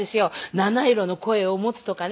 七色の声を持つとかね